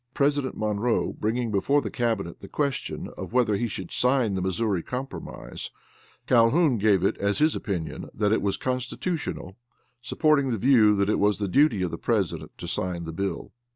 President Monroe bringing before the cabinet the question of whether he should sign the Missouri Compromise, Calhoun gave it as his opinion that it was constitutional, supporting the view that it was the duty of the president to sign the bill.